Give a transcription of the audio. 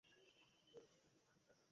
Abu Sufyan তাদের কথা বিশ্বাস করেছিল।